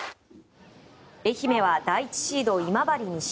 愛媛は第１シード今治西。